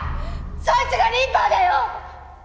そいつがリーパーだよ